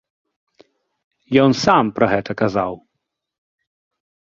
Ён сам пра гэта казаў.